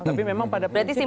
tapi memang pada penelitian